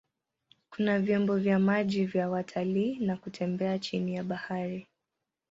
Kuna vyombo vya maji vya watalii na kutembea chini ya bahari.